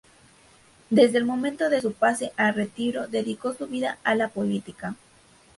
Desde el momento de su pase a retiro dedicó su vida a la política.